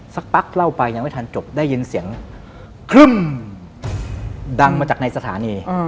สักพักเล่าไปยังไม่ทันจบได้ยินเสียงครึ่มดังมาจากในสถานี